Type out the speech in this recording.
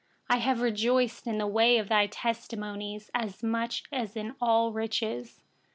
14I have rejoiced in the way of your testimonies, as much as in all riches.